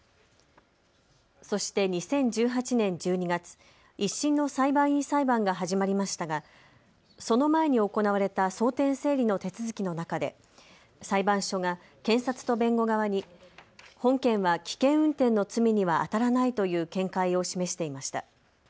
そして２０１８年１２月、１審の裁判員裁判が始まりましたがその前に行われた争点整理の手続きの中で裁判所が検察と弁護側に本件は危険運転の罪にはあたらないという見解を示していました。